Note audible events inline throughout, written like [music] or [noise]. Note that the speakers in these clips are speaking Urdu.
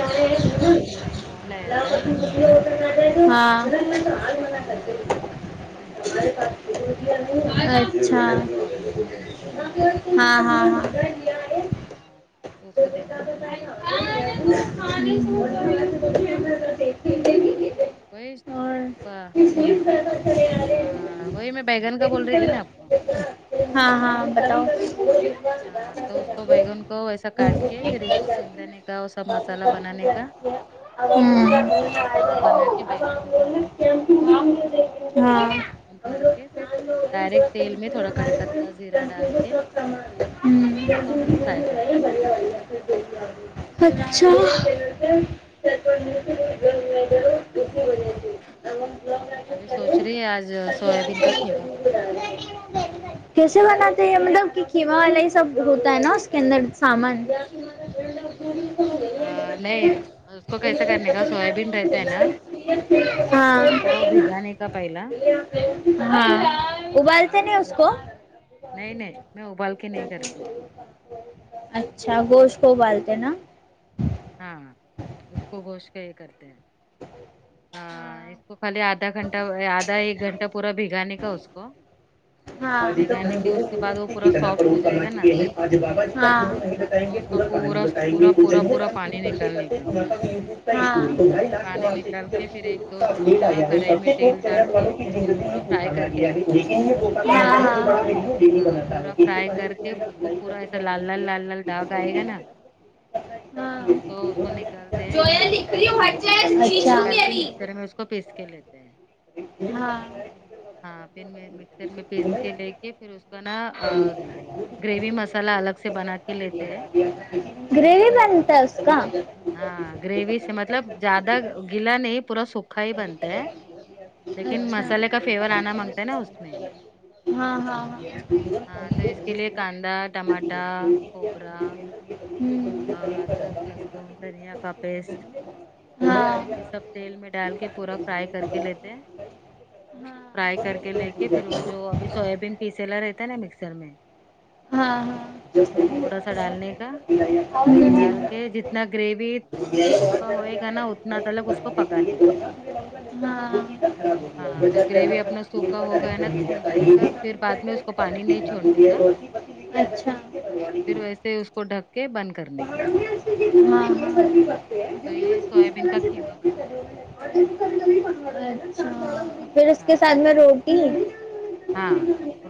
ہاں اس کو نا ایک ذرا ایک کال آیا تھا تو کال میں تھوڑا بات کر رہی تھی نا اس میں تھوڑا ٹائم گیا ہاں اچ ارجنٹ کال تھا نا ہاں ہاں ہاں ہاں تو اس کو دینا پڑا گے وہی بہ ہاں وہی میں بیگن کا بول رہی تھی نا آپ کو ہاں ہاں بتاؤ ہاں تو اس کو بیگن کو ویسا کاٹ کے پھر اس کو سنگ دینے کا اور سب مسالہ بنانے کا اب ہم مسالہ بنا کے بیگن میں لوگ بھرنے کا کیمپنگ ہاں اور ہم بھر لوگ کے پھر چار لوگ ہیں جو ڈائریکٹ تیل میں کنفیوژن تھوڑا کڑی ہمارے میں پتاہ زیرا ڈال کنفیوژن کے سب سامان اس کو ہم لوگ فرائی کرتے ہیں اچھا ہاں ابھی [inaudible] سوچ رہی ہے آج سویابین کا قیمہ بنانے کا [inaudible] کیسے بناتے ہیں یے مطلب کی کیما والے یے سب ہوتا ہے نہ اس کے اندر سامان [unintelligible] نہیں اس کو کیسے کرنے کا سویابین رہتا ہے نا ہاں کو بھگانے کا پہلا ہاں ابالتے آ، نہیں اس کل- کو نہیں نہیں میں ابال کے نہیں کرتی ہوں کیا گوشت کو ابال کے نا ہاں اس کو گوشت کے یے کرتے ہیں ہاں اس کو خالی آدھا گھنٹہ آدھا ایک گھنٹہ پورا بھگانے کا اس کو ہاں بھگانے ہاں کے اس کے بعد وہ پورا سافٹ ہو جائے گا نا ائیں تو گے اس کا پورا کہانی بتائیں گے پورا وہ پورا چلیے پورا کام پانی شورو نکالنے کرتے کا کرتے ہاں پانی نکال کے پھر ایک دو لیٹ چمچہ آیا ہے کڑھائی سب میں سے کو تیل ڈال شہر کے والوں کی اس کو زندگی پورا فرائی اٹالا کر کے گیا ہے لیتے ہیں۔ لیکن یے پورا فرائی کر ہاں کے اس کو پورا ایسا لال لال لال لال داغ آئے گا نا ہاں ہاں تو اس کو نکالتے ہیں جویا دیکھ رہی ہو ہت پھر نکال کے مکسچر میں اس کو پیس کے لیتے ہیں اچھا ہاں ہاں پھر میں مکسر میں پیس کے لے کے پھر اس کا نا گریوی مصا لح الگ سے بنا کے لیتے ہیں گریوی بنتا ہے اس کا ہاں گریوی سے مطلب زیادہ گیلا نہیں پورا سوک اچھا مسالے کا فلیور آنا مانگتا ہے نا اس میں ہاں ہاں ہاں ہاں تو اس کے لیے کاندا ٹماٹہ کھوبرا ہوں اور ادرک لہس تو دھنیا کا پیسٹ ہاں یہ سب تیل میں ڈال کے پورا فرائی کر کے لیتے ہیں ہاں فرائی کر کے لے کے پھر وہ جو ابھی سویابین پیسیلا رہتا نا مکسر میں ہاں اس میں تھوڑا سا ڈالنے کا ہاں ڈال کے جت ہاں اتنا گریوی سوکھا اچھا ہوئے گا نا اتنا تلک اس کو پکانے کا ہاں ہاں تو گریوی اپنا سوکھا ہو گیا نا تو سمجھو ن کہ پھر بعد میں اس ا پانی نئی چھوڑنے کا پھر ویسے اس کو ڈھک کے بند کرنے کا ہاں ہاں تو یہ سویابین کا خیمہ بنتا ہے اچھا پھر اس کے ساتھ ہاں میں روٹی ہاں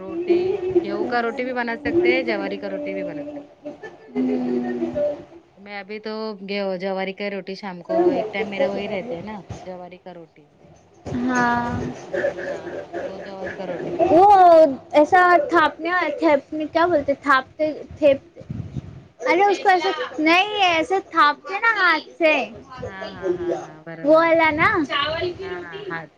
روٹی گیہوں کا روٹی بھی بنا سکتے ہیں جوواری کا روٹی بھی بنا سکتے میں ا بھی تو گ جوواری کا روٹی شام کو ایک ٹائم میرا وہی رہتا ہے نا جوواری کا روٹی ہاں ہاں تو جواری کا روٹی وہ بنے گی تو ایسا تھا پنے تھپنے کیا بولتے تھا پتے تھیپتے ارے اس کو ایسے نہیں ہے ایسے تھا پتے نا ہاتھ سے ہاں ہاں ہاں ہاں وہ برابر والا نا ہاں روٹی ہاتھ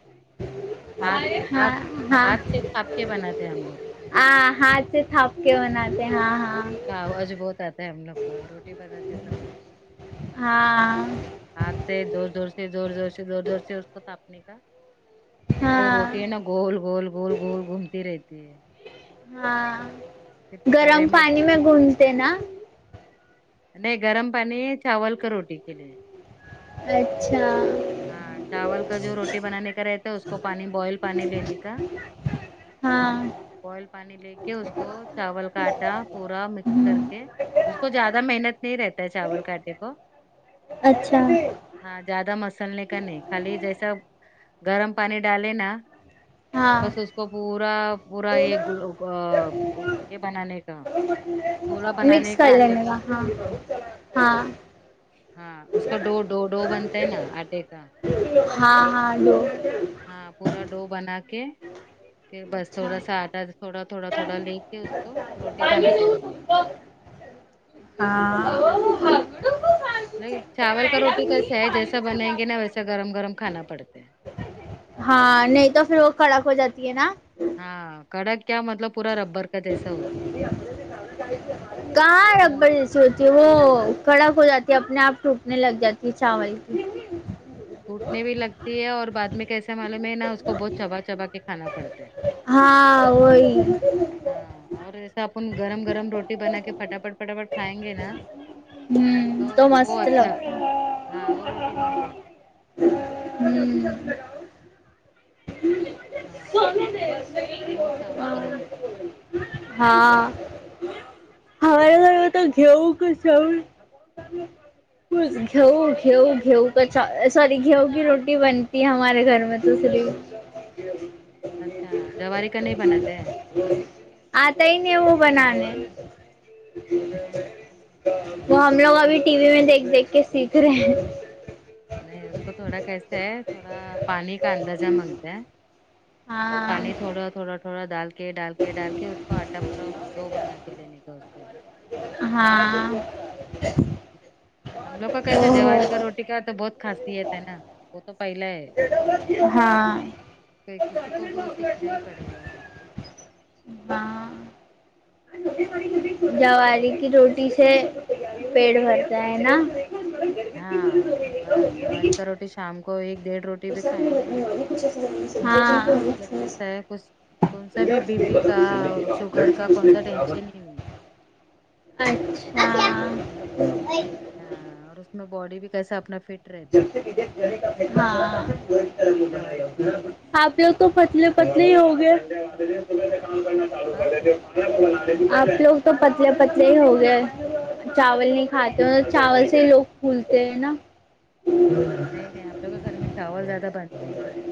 ہات ہاں ہاتھ ہاتھ سےتھاپ کے بناتے ہم لوگ آاں ہاں سے تھا پ کے بناتتے ہاں ہاں آواز بہت آتا ہے ہم لوگ کا روٹی بناتے سمے ہاں ہاتھ سے زور زور سے زور زور سے زور زور سے اس کو تھاپنے کا پھر وہ ہاں روٹی ہے نا گول گول گول گول گھومتی رہتی ہے ہاں پھر گرم توے پانی میں گونتے نا نہیں گرم پانی ہے چاول کا روٹی کے لیے اچھا ہاں چاول کا جو روٹی بنانے کا رہتا ہے اس کو پانی بوائل پانی لینے کا ہاں بوائل پانی لے کے اس کو چاول کا آٹا پورا مکس کر ہ کے اس کو زیادہ محنت نہیں رہتا ہے چاول کاآ ٹے کو اچھا ہاں زیادہ مسلنے کا نہیں خالی جیسا گرم پانی ڈالے نا بس ہاں اس کو پورا پورا یہ یہ بنانے کا پورا مکس بنانے کر آٹے لینے کا پورا ہاں ہاں ہاں اس کو ڈ ڈ ڈو بنتا ہے نا کا ہاں ہاں ڈو ہاں پورا ڈو بنا کے پھر بس اچھا تھوڑا سا آٹا تھوڑا تھوڑا تھوڑا لے کے اس کو روٹی بناتے رہنے ہاں لیکن چاول کا روٹی کیسا ہے جیسا بنائیں گے نا ویسا گرم گرم کھانا پڑتا ہے ہاں نہیں تو پھر وہ کڑک ہو جاتی ہے نا ہاں کڑک کیا مطلب پورا رببر کہاں ہے رببر سوتی ہے وہ کڑک ہو جاتی ہے اپنے اپ ٹوٹنے لگ جاتی ہے چاول کی وٹنے بھی لگتی ہے اور بعد میں کیسے معلوم میں ہے نا اس کو بہت چبا چبا کے کھانا پڑتا ہے ہاں وہی ہاں اور ایسا اپن گرم گرم روٹی بنا کے پٹافٹ پٹافٹ کھائیں گے نا ہوں تو وہ مست اچھا ہاں وہ روٹی لگتا مست لگ ہوں ہی ہاں تو چاول کا روٹی بناتی ہاں ہمارے ہاں گھر تو گیہوں کے چاول گھیو گھیو گھیو سوری گھیہو کی روٹی بنتی ہے ہمارے گھر میں تو دوسری اچھا جواری کا نہیں بناتے ہیں اتا ہی نہیں وہ بنانے وہ ہم لوگ ابھی ٹی وی میں دیکھ دیکھ کے سیکھ رہے ہیں نہیں اس کو تھوڑا کیسے ہے تھوڑا پانی کا اندازہ مانگتا ہیں ہاں پانی تھوڑا تھوڑا تھوڑا ڈال کے ڈال کے ڈال کے اس کو اٹا پورا دو بنا کے لینے کا اس کا بھی ہاں ہم لوگ کا او کیسے ہو جواری کا روٹی کا تو بہت خاصیت ہے نا وہ تو پہلا ہے ہاں کسی کو بھی وہ سیکھنا ہی پڑے گا اور ہاں [unintelligible] جواری کی روٹی سے پیٹ بھرتا ہے نا ہاں ب جواری کا روٹی شام کو ایک ڈیڑھ روٹی روٹی بھی برسات میں کھائیں گے لگنے نا والی کچھ ایسی زمین سبزیاں جن کو ہم مطلب سمجھ کیسا ہے کچھ کون سا بھی بی پی کا اور شوگر کا کونسا ٹینشن ہی نہیں اچھا ہاں اور اس میں باڈی بھی اپنا کیسا اپنا فٹ رہتا جب ہے ایک دم سے ہاں جواری کی روٹی سے اپ لوگ تو پتلے پتلے ہی ہو گئے ہاں اپ لوگ تو پتلے پتلے ہی ہو گئے چاول نہیں کھاتے چاول سے ہی لوگ پھولتے ہیں نا نہیں نہیں اپوگ کے گھر میں چاول زیادہ بنتا ہی نہیں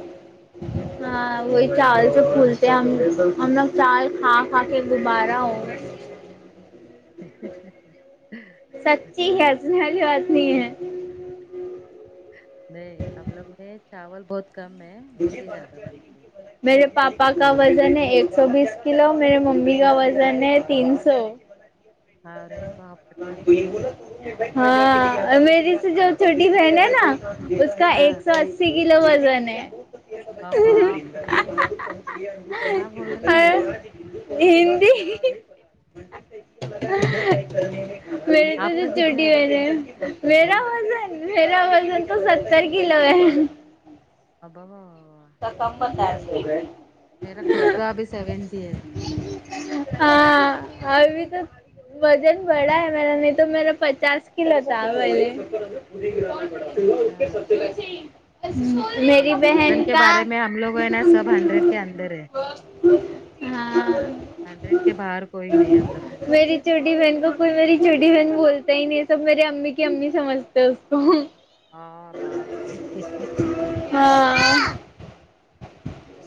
ہاں وہی چاول تو مشکل فولتے سے ہم ہم چال کھا کھا کے گوبارا ہوں ٹھیک ٹھیک سچی کیسنے والی بات نہیں ہے نہیں ہم لوگ میں چاول بہت کم ہے روٹی زیادہ بنتی ہے میرے پاپا کا وزن ہے ایک سو بیس کلو میرے ممی کا وزن ہے تین سو ارے باپ رے ہاں المری سے جو چھوٹی بہن ہے نا اس کا ہاں ایک سو اسی کلو وزان ہے باپ رے کیا بول رہے ہاں ہیں ہندی میرے آپ کا تو کتنے چھوٹی ہے بہین ہیں میرا وزان میرا وزان تو ستر کلو ہے اب اب کم بتے ہے رہ میرا خود کا ابھی سیونٹی ہے ہاں ا بھی تو وزان بڑا ہے میرا نہیں تو میرا پچاس کلو تھا پہلے اچھا نہیں میری نہیں بہن وزن کے کا بارے میں ہم لوگ ہیں نا سب ہنڈریڈ کے اندر ہے ہاں ہنڈریڈ کے باہر کوئی نہیں ہم لگ میری چھوٹی بہن کو کوئی میری چھوٹی بہن بولتا ہی نہیں یہ سب میری امی کی امی سمجھتے ہے اس کو ہاں باپرے ہاں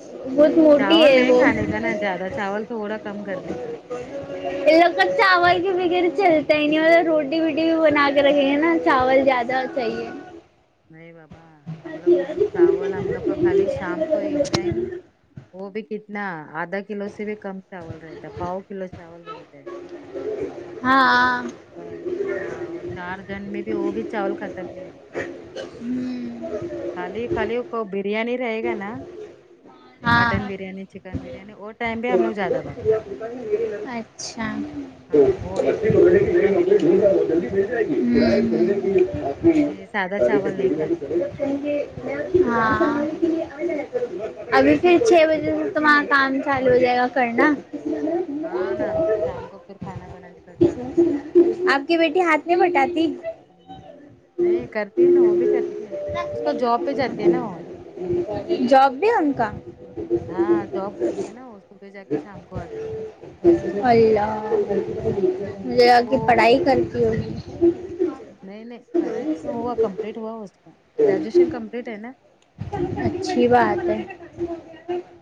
بہت نہیں موٹی چاول ہے نہیں وہ کھانے کا نا زیادہ چاول تھوڑا کم کرنے کا ان لوگ چاول کے وغیرہ چلتا ہی نہیں ملب روٹی وٹی بھی بنا کے رکھے گے نا چاول زیادہ ڈرد چاہیے نہیں بابا ہم لوگ مین چاول ہم لوگ کا خالی شام کو ایک ٹائم وہ بھی کتنا آدھا کلو سے بھی کم چاول رہتا ہے پاؤ کلو چاول بنتے ہیں ہاں ہاں وہ چارجن میں بھی وہ بھی چاول ختم نہیں ہوتے ہوں خالی خالی کو بریانی رہے گا نا ہاں مٹن ہاں بریانی چکن بریانی اور ہاں وہ ایک اچھا کلو کا پورا بریانی بناتے لیکن [unintelligible] یہ سادہ چاول نہیں کھاتے زیادہ [unintelligible] ابھی پھر چھ بجے سے تمہارا کام چالو ہو جائے گا کرنا ہاں نہ پھر شام کو پھر کھانا بنانے کا چالو ہوئے گا آپ کی بیٹی ہاتھ میں بٹاتی نہیں کرتی ہے نا وہ بھی کرتی ہے اس کو جاب پہ جاتی ہے نا وہ جاب بھی ان کا ہاں جاب کرتی ہے نا وہ صبح جا کے شام کو آتی ہے اللہ تو مجھے وہ پڑھائی کرتی ہوگی نہیں نہیں پڑھائی تو ہوا کمپلیٹ ہوا اس کا گریجویشن کمپلیٹ ہے نا اچھی بات ہے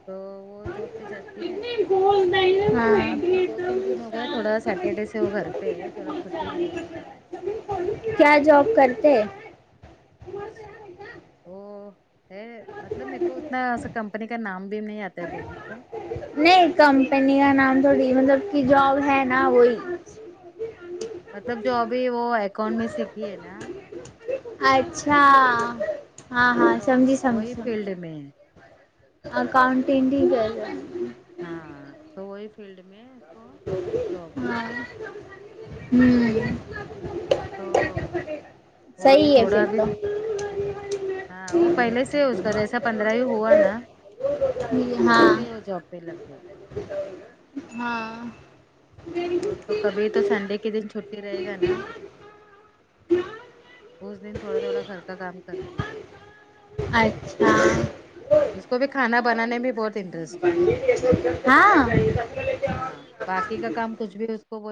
تو وہ جاب پہ جاتی ہے ہاں ابھی دو تین دن ہو گئے تھوڑا سا سیٹرڈے سے وہ گھر پہ ہے تھوڑا چھٹی لیا ہے اس کیا جاب کرتے ہ ہے مطلب میرے کو اتنا ایسا کمپنی کا نام بھی نہیں آتا ہے بولنے کو نہیں کمپنی کا نام تھوڑی مطلب کہ جاب ہے نا وہی مطلب جو ابھی وہ اکاؤنٹ میں سیکھی ہے نا اچھا ہاں ہاں تو سمج سمج وہی سمج فیلڈ میں اکاؤنٹین کرے ہے ہاں تو وہی فیلڈ میں اس کو جاب ہے ہو تو وہ ابھی ہے تھوڑا پھر ابھی تو ہاں وہ پہلے سے اس کا جیسا پندرہ ہی ہوا نا ہاں ویسے ہی وہ جاب پہ لگ گئی ہاں وہ تو کبھی تو سنڈے کے دن چھٹی رہے گا نا اس دن تھوڑا تھوڑا گھر کا کام کرتی ہو اچھا اس کو بھی کھانا بنانے میں بہت انٹرسٹ ہے ہاں ہاں باقی کا کام کچھ بھی اس کو